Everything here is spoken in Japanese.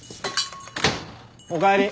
おかえり。